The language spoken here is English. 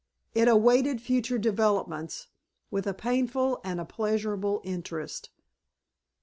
It awaited future developments with a painful and a pleasurable interest.